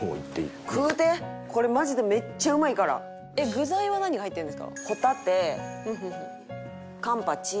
具材は何が入ってるんですか？